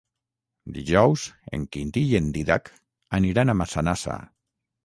Dijous en Quintí i en Dídac aniran a Massanassa.